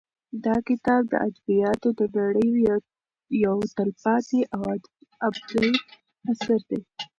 دا کتاب د ادبیاتو د نړۍ یو تلپاتې او ابدي اثر دی.